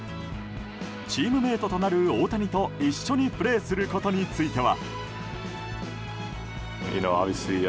チームメートとなる大谷と一緒にプレーすることについては。